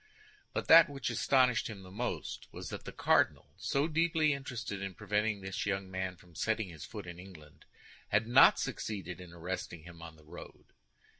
But that which astonished him most was that the cardinal, so deeply interested in preventing this young man from setting his foot in England, had not succeeded in arresting him on the road.